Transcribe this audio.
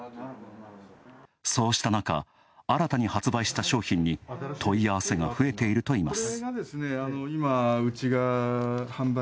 そうした中、新たに発売した商品に問い合わせが増えているといいます。